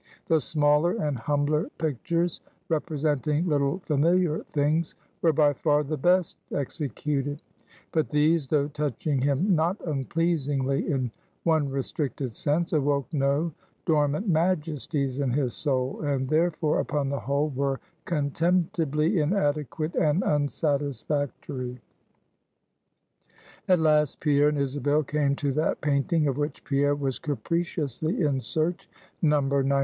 The smaller and humbler pictures, representing little familiar things, were by far the best executed; but these, though touching him not unpleasingly, in one restricted sense, awoke no dormant majesties in his soul, and therefore, upon the whole, were contemptibly inadequate and unsatisfactory. At last Pierre and Isabel came to that painting of which Pierre was capriciously in search No. 99.